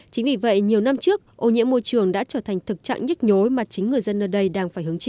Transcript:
chính vì vậy nhiều năm trước ô nhiễm môi trường đã trở thành thực trạng nhức nhối mà chính người dân ở đây đang phải hứng chịu